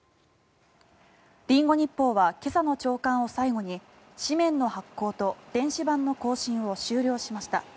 リンゴ日報は今朝の朝刊を最後に紙面の発行と電子版の更新を終了しました。